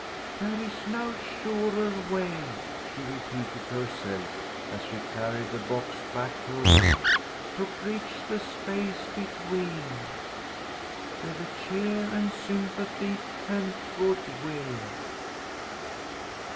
"'There is no surer way,'" she repeated to herself as she carried the box back to her room, "'to bridge the space between ... with the cheer and sympathy and good will.'"